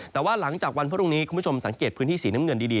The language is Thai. แต่ว่าหลังจากวันพรุ่งนี้คุณผู้ชมสังเกตพื้นที่สีน้ำเงินดี